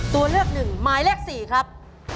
ตัวเลือก๑หมายเลข๔ครับ